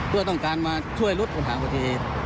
เพื่อต้องการมาช่วยลดปัญหาประเทศ